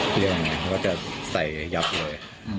ก็จะใส่ยับเลย